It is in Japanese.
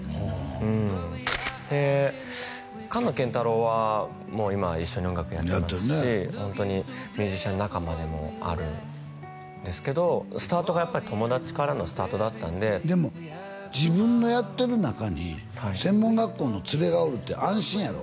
うんでカンノケンタロウはもう今一緒に音楽やってますしホントにミュージシャン仲間でもあるんですけどスタートがやっぱり友達からのスタートだったんででも自分のやってる中に専門学校のツレがおるって安心やろ？